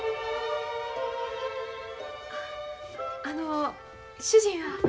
あの主人は？